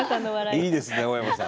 いいですね青山さん。